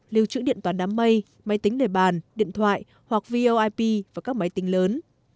lưu trữ điện toán đám mây máy tính đề bàn điện thoại hoặc voip và các máy tính lớn